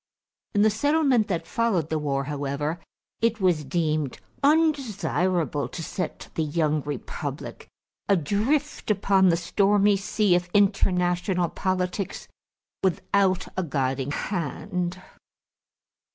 In the settlement that followed the war, however, it was deemed undesirable to set the young republic adrift upon the stormy sea of international politics without a guiding hand.